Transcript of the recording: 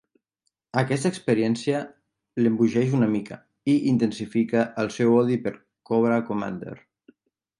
Aquesta experiència l'embogeix una mica, i intensifica el seu odi per Cobra Commander.